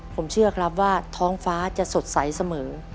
ผมเชื่อครับว่าท้องฟ้าจะสดใสเสมอ